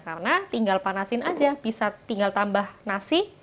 karena tinggal panaskan saja bisa tinggal tambah nasi